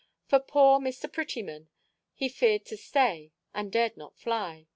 For poor Mr. Prettyman, he feared to stay, and dared not fly.